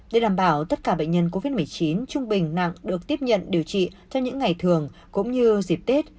để đảm bảo tất cả bệnh nhân covid một mươi chín trung bình nặng được tiếp nhận điều trị cho những ngày thường cũng như dịp tết